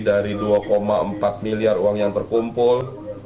dari dua empat miliar uang yang terkumpul